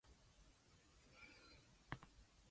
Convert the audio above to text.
Excess products are sometimes also given to foods banks.